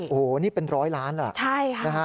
โอ้โฮนี่เป็น๑๐๐ล้านล้าใช่